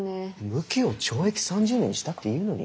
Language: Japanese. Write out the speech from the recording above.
無期を懲役３０年にしたっていうのに？